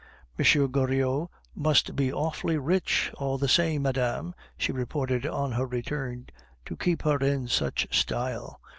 "M. Goriot must be awfully rich, all the same, madame," she reported on her return, "to keep her in such style.